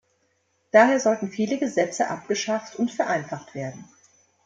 Daher sollten viele Gesetze abgeschafft und vereinfacht werden.